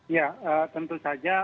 ya tentu saja